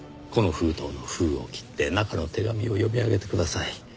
この封筒の封を切って中の手紙を読み上げてください。